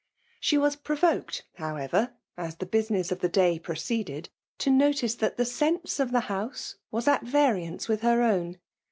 She was provoked, however, as the business of the day proceeded, to notice that " the sense xsf the house " was at variance with her own.